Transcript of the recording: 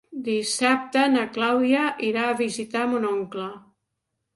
Dissabte na Clàudia irà a visitar mon oncle.